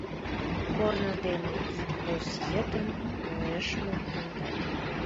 Корно дене ик воз йытын нӧшмым кондат.